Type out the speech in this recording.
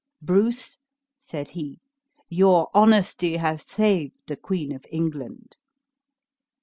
"Bruce," said he, "your honesty has saved the Queen of England.